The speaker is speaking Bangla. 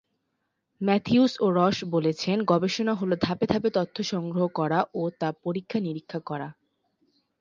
ম্যাথিউস ও রস বলছেন, গবেষণা হলো ধাপে ধাপে তথ্য সংগ্রহ করা ও তা পরীক্ষা-নিরীক্ষা করা।